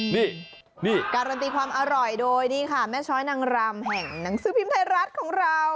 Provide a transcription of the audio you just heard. นี่นี่การันตีความอร่อยโดยนี่ค่ะแม่ช้อยนางรำแห่งหนังสือพิมพ์ไทยรัฐของเรา